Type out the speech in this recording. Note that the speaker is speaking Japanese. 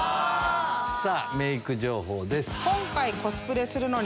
さぁメーク情報です。